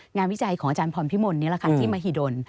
วิจัยของอาจารย์พรพิมลนี่แหละค่ะที่มหิดล